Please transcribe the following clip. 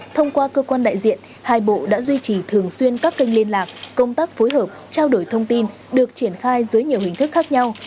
thông qua cơ quan đại diện hai bộ đã duy trì thường xuyên các kênh liên lạc công tác phối hợp trao đổi thông tin được triển khai dưới nhiều hình thức khác nhau